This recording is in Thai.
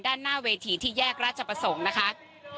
หน้าเวทีที่แยกราชประสงค์นะคะ